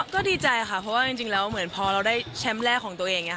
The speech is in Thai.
ก็ดีใจค่ะเพราะว่าจริงแล้วเหมือนพอเราได้แชมป์แรกของตัวเอง